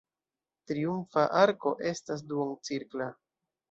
Triumfa arko estas duoncirkla.